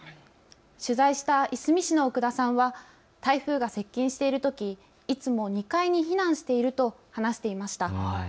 取材したいすみ市の奥田さんは台風が接近しているとき、いつも２階に避難していると話していました。